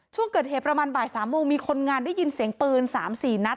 ช่วงเกิดเหตุประมาณบ่าย๓โมงมีคนงานได้ยินเสียงปืน๓๔นัด